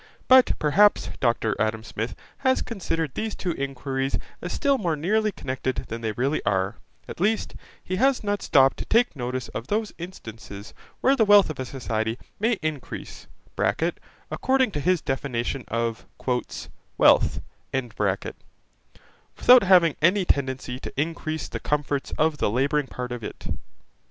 But perhaps Dr Adam Smith has considered these two inquiries as still more nearly connected than they really are; at least, he has not stopped to take notice of those instances where the wealth of a society may increase (according to his definition of 'wealth') without having any tendency to increase the comforts of the labouring part of it.